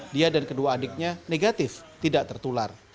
dia dan kedua adiknya negatif tidak tertular